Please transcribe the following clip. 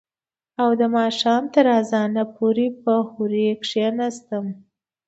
او د ماښام تر اذانه پورې به هورې کښېناستم.